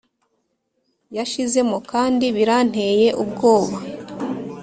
yashizemo kandi biranteye ubwoba